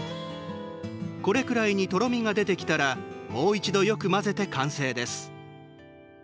これくらいにとろみが出てきたらもう一度よく混ぜて完成です。